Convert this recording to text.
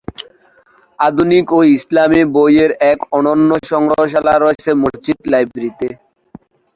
আধুনিক ও ইসলামী বইয়ের এক অনন্য সংগ্রহশালা রয়েছে মসজিদ লাইব্রেরীতে।